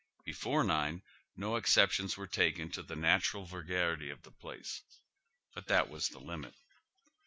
Before nine no exceptions were taken to the natural vulgarity of the place ; but that was the limit.